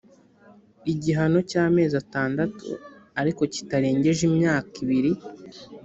igihano cy amezi atandatu ariko kitarengeje imyakaibiri